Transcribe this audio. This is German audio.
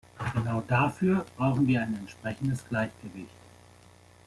Genau dafür brauchen wir ein entsprechendes Gleichgewicht.